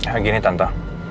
ya gini tante